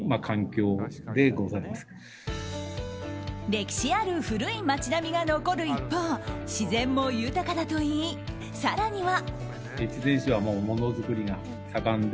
歴史ある古い町並みが残る一方自然も豊かだといい、更には。